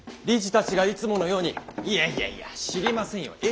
理事たちがいつものように「いやいやいや知りませんよ。